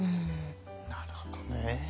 なるほどね。